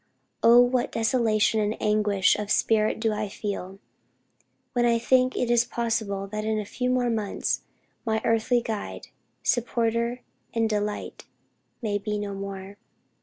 Oh what desolation and anguish of spirit do I feel, when I think it is possible that in a few more months, my earthly guide, supporter, and delight, may be no more!...